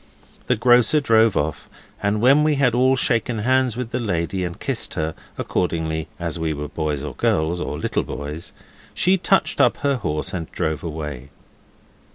The grocer drove off, and when we had all shaken hands with the lady and kissed her, according as we were boys or girls, or little boys, she touched up her horse and drove away.